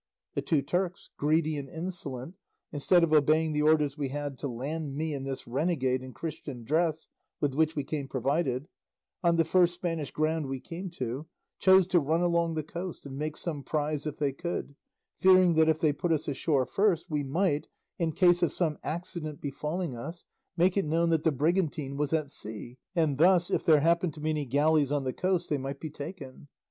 The two Turks, greedy and insolent, instead of obeying the orders we had to land me and this renegade in Christian dress (with which we came provided) on the first Spanish ground we came to, chose to run along the coast and make some prize if they could, fearing that if they put us ashore first, we might, in case of some accident befalling us, make it known that the brigantine was at sea, and thus, if there happened to be any galleys on the coast, they might be taken.